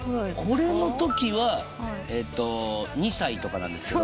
これのときは２歳とかなんですけど。